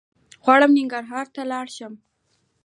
غواړم ننګرهار ته لاړ شم